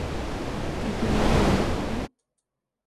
Про пилюлю я не говорил.